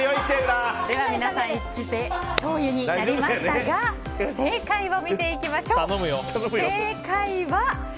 では皆さん、一致でしょうゆになりましたが正解を見ていきましょう！